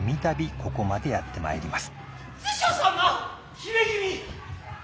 姫君。